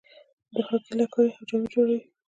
د هاکي لکړې او جامې جوړوي.